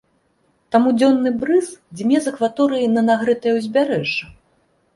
Таму дзённы брыз дзьме з акваторыі на нагрэтае ўзбярэжжа.